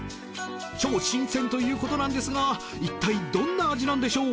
超新鮮ということなんですがいったいどんな味なんでしょう？